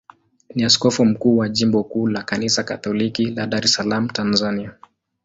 ni askofu mkuu wa jimbo kuu la Kanisa Katoliki la Dar es Salaam, Tanzania.